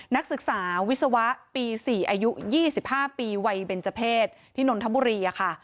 นักศึกษาวิศวะปี๔อายุ๒๕ปีวัยเบนเจอร์เพศที่นนทบุรีค่ะ